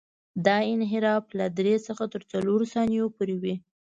دا انحراف له درې څخه تر څلورو ثانیو پورې وي